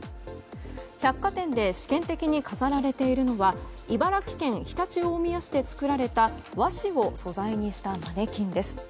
百貨店で試験的に飾られているのは茨城県常陸大宮市で作られた和紙を素材にしたマネキンです。